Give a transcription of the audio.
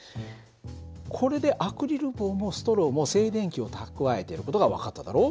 これでアクリル棒もストローも静電気を蓄えてる事が分かっただろう。